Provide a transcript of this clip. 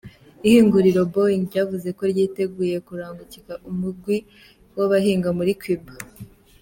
Ihinguriro Boeing ryavuze ko ryiteguye kurungika umugwi w'abahinga muri Cuba.